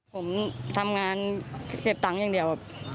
ผมทำงานเสพตังค์อย่างเดียว